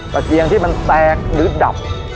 เตียงที่มันแตกหรือดับ